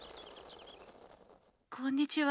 こんにちは。